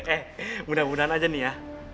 eh mudah mudahan aja nih ya